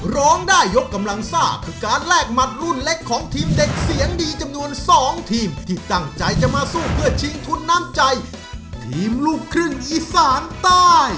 ร้องได้ยกกำลังซ่าคือการแลกหมัดรุ่นเล็กของทีมเด็กเสียงดีจำนวน๒ทีมที่ตั้งใจจะมาสู้เพื่อชิงทุนน้ำใจทีมลูกครึ่งอีสานใต้